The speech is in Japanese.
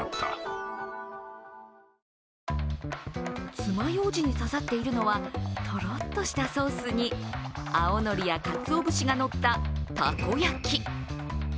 爪ようじに刺さっているのはとろっとしたソースに青のりや、かつお節が乗ったたこ焼き。